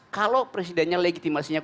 kalau presidennya legitimasinya kuat